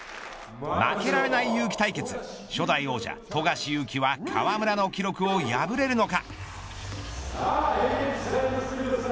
負けられない、ゆうき対決初代王者、富樫勇樹は河村の記録を破れるのか。